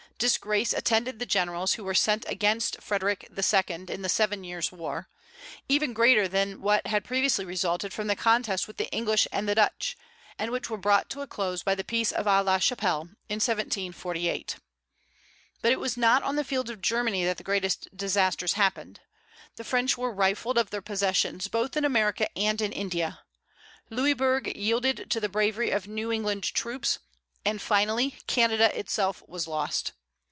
Disgrace attended the generals who were sent against Frederic II., in the Seven Years' War, even greater than what had previously resulted from the contests with the English and the Dutch, and which were brought to a close by the peace of Aix la Chapelle, in 1748. But it was not on the fields of Germany that the greatest disasters happened; the French were rifled of their possessions both in America and in India. Louisbourg yielded to the bravery of New England troops, and finally Canada itself was lost.